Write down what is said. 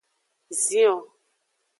Zion.